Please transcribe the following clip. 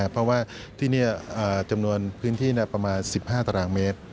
เพราะว่าที่นี่จำนวนพื้นที่ประมาณ๑๕ตารางเมตร